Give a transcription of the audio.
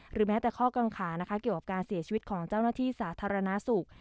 แม้แต่ข้อกังขานะคะเกี่ยวกับการเสียชีวิตของเจ้าหน้าที่สาธารณสุข